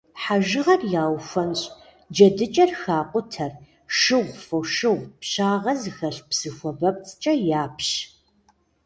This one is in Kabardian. Хьэжыгъэр яухуэнщӏ, джэдыкӏэр хакъутэр шыгъу, фошыгъу, пщагъэ зыхэлъ псы хуабэпцӏкӏэ япщ.